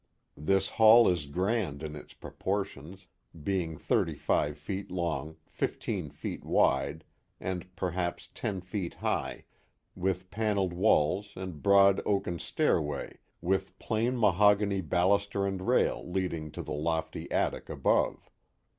This hall is grand in its proportions, being thirty five feet long, fifteen feet wide, and perhaps ten feet high, with pan elled walls and broad oaken stairway with plain mahogany bal luster and rail leading to the lofty attic above.